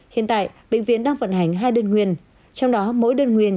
hiện tại bệnh viện đang vận hành hai đơn nguyên trong đó mỗi đơn nguyên